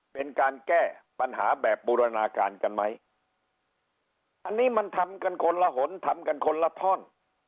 เป็นการแก้ปัญหาแบบบูรณาการกันไหมอันนี้มันทำกันคนละหนทำกันคนละท่อน